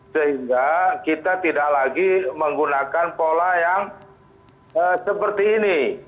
sehingga kita tidak lagi menggunakan pola yang seperti ini